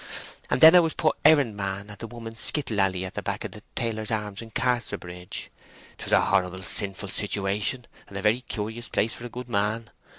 And then I was put errand man at the Women's Skittle Alley at the back of the Tailor's Arms in Casterbridge. 'Twas a horrible sinful situation, and a very curious place for a good man.